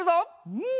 うん！